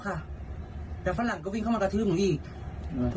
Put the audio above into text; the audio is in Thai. ค่ะแต่ฝรั่งก็วิ่งเข้ามากระทืบหนูอีกอืม